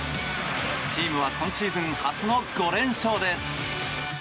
チームは今シーズン初の５連勝です。